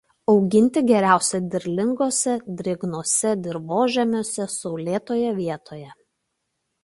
Auginti geriausia derlinguose drėgnuose dirvožemiuose saulėtoje vietoje.